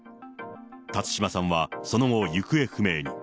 辰島さんはその後、行方不明に。